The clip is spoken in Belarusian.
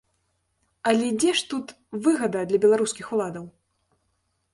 Але дзе ж тут выгада для беларускіх уладаў?